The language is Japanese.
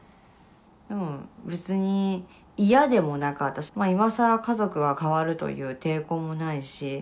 でも別に嫌でもなかったし今更家族が変わるという抵抗もないし